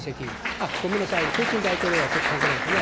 あ、ごめんなさい、プーチン大統領はちょっと関係ないですね。